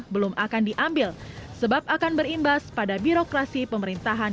belum akan diambil sebab akan berimbas pada birokrasi pemerintahan